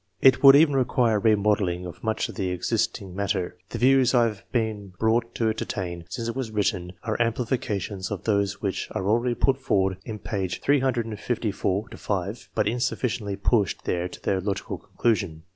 It would even require a remodelling of much of the existing matter. The views I have been brought to entertain, since it was written, are amplifications of those which are already put forward in pp. 354 5, but insufficiently pushed there to their logical conclusion.